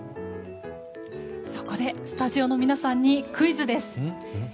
そこでスタジオの皆さんにクイズです。